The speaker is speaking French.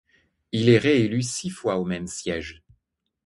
Il est réélu six fois au même siège.